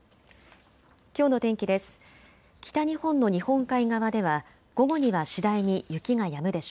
きょうの天気です。